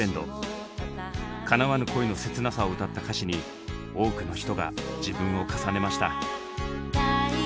かなわぬ恋の切なさを歌った歌詞に多くの人が自分を重ねました。